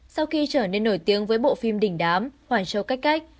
sau khi trở nên nổi tiếng với bộ phim đỉnh đám hoàn châu cách cách